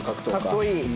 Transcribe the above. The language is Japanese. かっこいい。